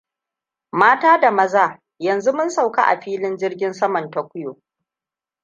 Mata da Maza, yanzu mun sauka a filin jirgin saman Tokyo.